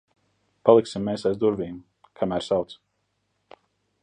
Paliksim mēs aiz durvīm, kamēr sauc.